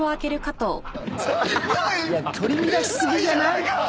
取り乱し過ぎじゃない？